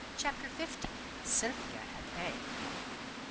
CHAPTER L. CYNTHIA AT BAY.